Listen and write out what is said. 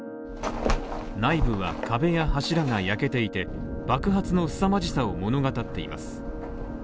内部は壁や柱が焼けていて爆発のすさまじさを物語っています。